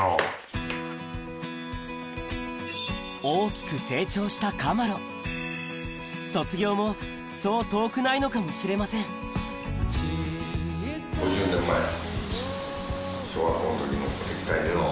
大きく成長したカマロ卒業もそう遠くないのかもしれません５０年前。